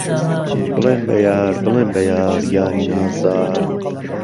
بڵێن به یار، بڵێن به یار، یاری نازدار